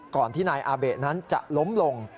ก่อนที่นายอาเบะนั้นจะล้มลง